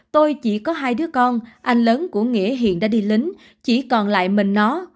tôi chỉ có hai đứa con anh lớn của nghĩa hiện đã đi lính chỉ còn lại mình nó